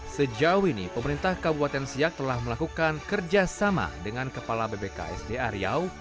sejauh ini pemerintah kabupaten siak telah melakukan kerjasama dengan kepala bbksda riau